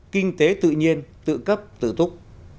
kinh tế tự nhiên tự cấp tự túc